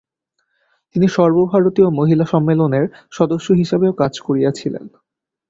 তিনি সর্বভারতীয় মহিলা সম্মেলনের সদস্য হিসাবেও কাজ করেছিলেন।